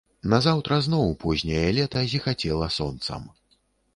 Назаўтра зноў позняе лета зіхацела сонцам.